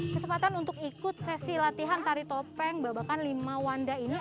kesempatan untuk ikut sesi latihan tari topeng babakan lima wanda ini